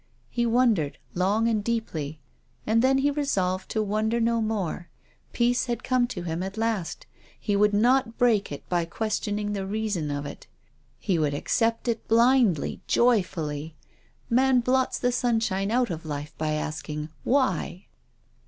He wondered long and deeply. And then he resolved to wonder no more. Peace had come to him at last. He would not break it by questioning the reason of it. He would accept it blindly, joyfully. Man blots the sunshine out of life by asking "Why?"